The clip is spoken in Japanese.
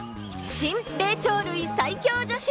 新霊長類最強女子。